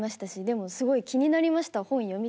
でもすごい気になりました。